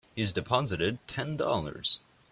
He's deposited Ten Dollars.